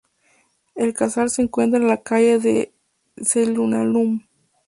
El casal se encuentra en la calle de sa Lluna núm.